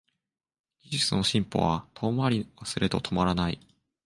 技術の進歩は遠回りはすれど止まらない